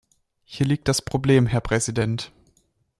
Hier liegt das Problem, Herr Präsident.